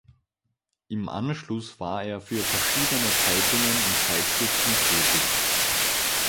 Im Anschluss war er für verschiedene Zeitungen und Zeitschriften tätig.